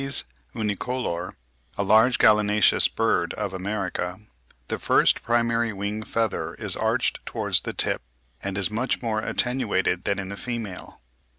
] In the male of the Chamaepetes unicolor (a large gallinaceous bird of America), the first primary wing feather is arched towards the tip and is much more attenuated than in the female.